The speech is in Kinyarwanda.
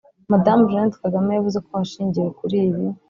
Madamu Jeannette Kagame yavuze ko hashingiwe kuri ibi